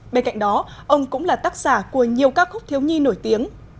bên cạnh đó ông cũng là tác giả của nhiều ca khúc thiếu nhi nổi tiếng